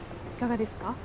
いかがですか？